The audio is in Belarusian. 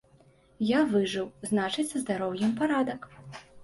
Я выжыў, значыць, са здароўем парадак.